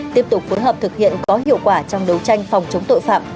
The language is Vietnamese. tiếp tục phối hợp thực hiện có hiệu quả trong đấu tranh phòng chống tội phạm